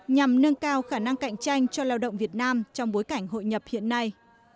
nhằm nâng cao khả năng cạnh tranh cho lao động việt nam trong bối cảnh hội nhập hiện nay